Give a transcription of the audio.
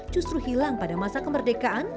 justru hilang pada masa kemerdekaan